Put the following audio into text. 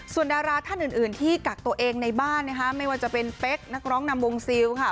ส่วนดาราท่านอื่นที่กักตัวเองในบ้านนะคะไม่ว่าจะเป็นเป๊กนักร้องนำวงซิลค่ะ